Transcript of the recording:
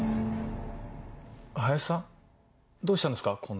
林さん、どうしたんですか？